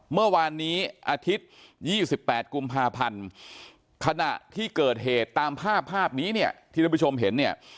เมื่อวานนี้อาทิตย์๒๘กุมภาพันธ์ขณะที่เกิดเหตุตามภาพภาพนี้เนี่ยที่ท่านผู้ชมเห็นเนี่ย